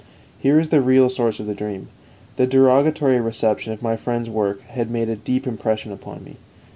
Here is the real source of the dream. The derogatory reception of my friend's work had made a deep impression upon me.